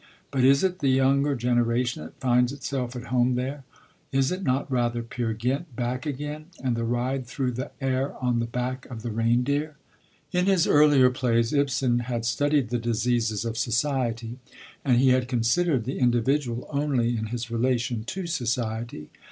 But is it the younger generation that finds itself at home there? is it not rather Peer Gynt back again, and the ride through the air on the back of the reindeer? In his earlier plays Ibsen had studied the diseases of society, and he had considered the individual only in his relation to society.